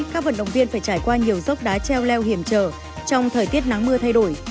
các vận động viên phải trải qua nhiều dốc đá treo leo hiểm trở trong thời tiết nắng mưa thay đổi